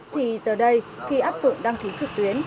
thì giờ đây khi áp dụng đăng ký trực tuyến